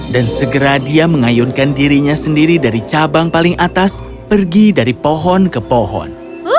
dan segera dia mengayunkan dirinya sendiri dari cabang paling atas pergi dari pohon ke pohon